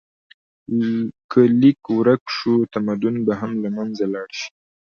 که لیک ورک شو، تمدن به هم له منځه لاړ شي.